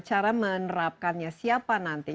cara menerapkannya siapa nanti